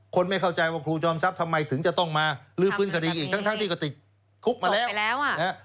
ไม่เข้าใจว่าครูจอมทรัพย์ทำไมถึงจะต้องมาลื้อฟื้นคดีอีกทั้งที่ก็ติดคุกมาแล้วอ่ะนะฮะ